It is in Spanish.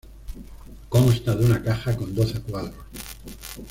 Consta de una caja con doce cuadros.